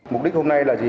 mục đích hôm nay là gì